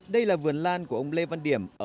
đây là vườn lan của ông lê văn điểm ở thôn an lạc